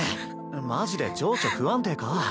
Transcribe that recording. マジで情緒不安定か？